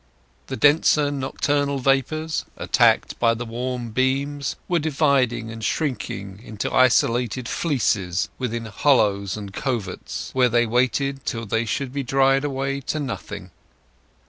The denser nocturnal vapours, attacked by the warm beams, were dividing and shrinking into isolated fleeces within hollows and coverts, where they waited till they should be dried away to nothing.